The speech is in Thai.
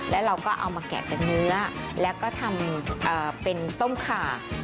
แล้วเราก็เอามาแกะเป็นเนื้อแล้วก็ทำเป็นต้มขา